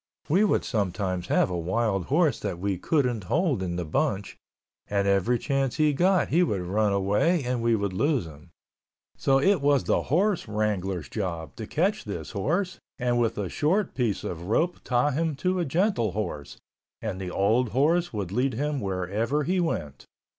We would sometimes have a wild horse that we couldn't hold in the bunch and every chance he got he would run away and we would lose him. So it was the horse wrangler's job to catch this horse and with a short piece of rope tie him to a gentle horse, and the old horse would lead him wherever he went.